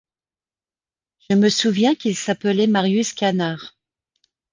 Je me souviens qu’il s’appelait Marius Canard.